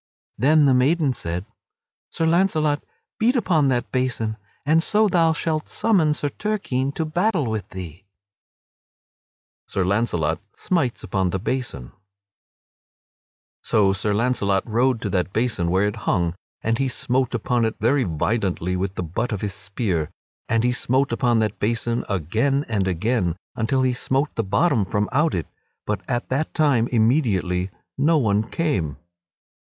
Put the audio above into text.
Then the maiden said: "Sir Launcelot, beat upon that basin and so thou shalt summon Sir Turquine to battle with thee." [Sidenote: Sir Launcelot smites upon the basin] So Sir Launcelot rode to that basin where it hung and he smote upon it very violently with the butt of his spear. And he smote upon that basin again and again until he smote the bottom from out it; but at that time immediately no one came.